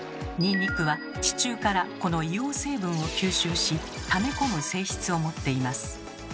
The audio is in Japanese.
ニンニクは地中からこの硫黄成分を吸収しため込む性質を持っています。